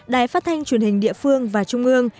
đài phát thanh truyền hình địa phương và trung ương